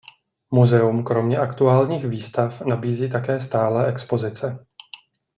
Muzeum kromě aktuálních výstav nabízí také stálé expozice.